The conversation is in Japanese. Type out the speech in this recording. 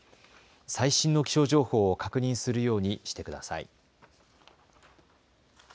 最新の気象情報を確認するようにしてください。